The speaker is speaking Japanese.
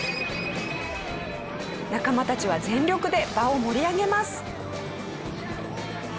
仲間たちは全力で場を盛り上げます。